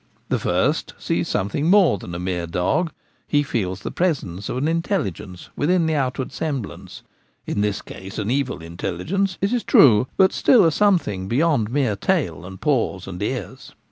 The first sees something more than a mere dog ; he feels the presence of an intelligence within the outward semblance —in this case an evil intelligence, it is true, but still a some thing beyond mere tail and paws and ears.